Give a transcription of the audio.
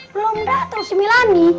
belum dateng si milani